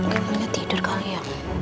gak punya tidur kali ya